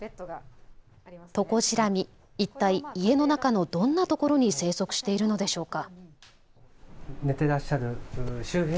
トコジラミ、一体家の中のどんなところに生息しているのでしょうか。